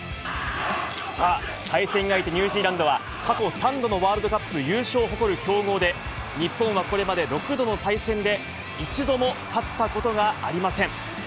さあ、対戦相手、ニュージーランドは、過去３度のワールドカップ優勝を誇る強豪で、日本はこれまで６度の対戦で一度も勝ったことがありません。